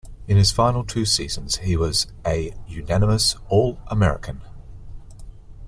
In his final two seasons he was a unanimous All-American.